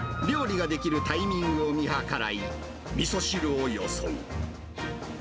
料理が出来るタイミングを見計らい、みそ汁をよそう。